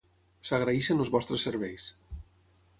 S'agraeixen els vostres serveis.